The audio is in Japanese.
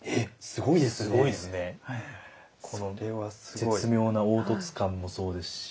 絶妙な凹凸感もそうですし。